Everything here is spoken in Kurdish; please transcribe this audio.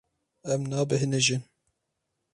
Em nabêhnijin.